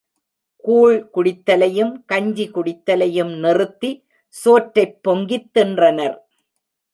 கூழ் குடித்தலையும் கஞ்சி குடித்தலையும் நிறுத்தி, சோற்றைப் பொங்கித்தின்றனர்.